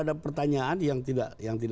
ada pertanyaan yang tidak terdengar disitu